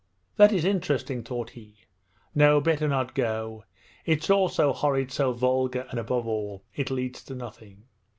That is interesting,' thought he. 'No, better not go. It's all so horrid, so vulgar, and above all it leads to nothing!'